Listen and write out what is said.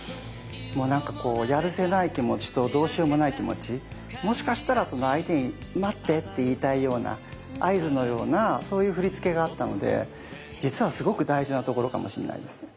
もうなんかこうやるせない気持ちとどうしようもない気持ちもしかしたらその相手に待ってって言いたいような合図のようなそういう振り付けがあったので実はすごく大事なところかもしんないですね。